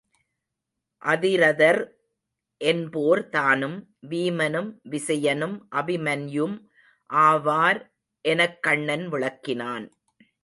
அதிரதர் என்போர் தானும், வீமனும், விசயனும், அபிமன்யும் ஆவார் எனக் கண்ணன் விளக்கினான்.